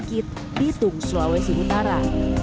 hitung sulawesi utara